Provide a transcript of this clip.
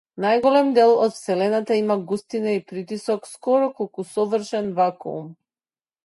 Најголем дел од вселената има густина и притисок скоро колку совршен вакуум.